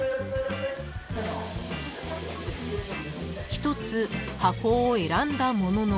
［一つ箱を選んだものの］